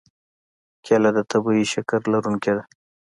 کېله د طبیعي شکر لرونکې ده.